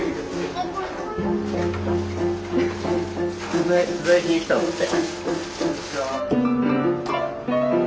取材取材しに来たんだって。